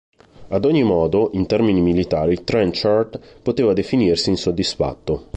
Ad ogni modo, in termini militari, Trenchard poteva definirsi insoddisfatto.